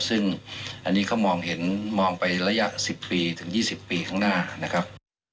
ซึ่งอันนี้ก็มองเห็นมองไประยะ๑๐ปีถึง๒๐ปีข้างหน้านะครับ